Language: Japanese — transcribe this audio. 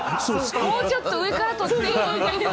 もうちょっと上からとってよみたいな。